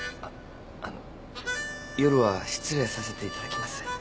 あっあの夜は失礼させていただきます。